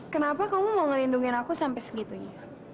kenapa kamu mau ngelindungi aku sampai segitunya